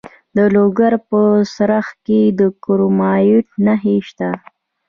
د لوګر په څرخ کې د کرومایټ نښې شته.